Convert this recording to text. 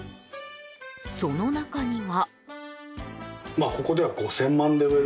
その中には。